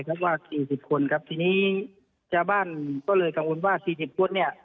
ก็ว่าสี่สิบคนครับทีนี้ชาวบ้านก็เลยกังวลว่าสี่สิบคนเนี่ย